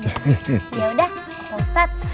yaudah pak ustadz